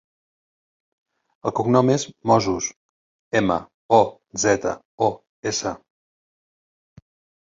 El cognom és Mozos: ema, o, zeta, o, essa.